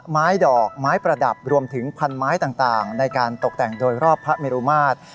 ไม้ดอกไม้ประดับรวมถึงพันไม้ต่างในการตกแต่งโดยรอบพระเมรุมาตร